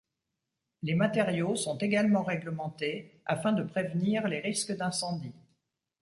Les matériaux sont également réglementés afin de prévenir les risques d'incendie.